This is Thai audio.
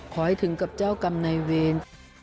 ขอให้ถึงกับเจ้ากรรมในเวร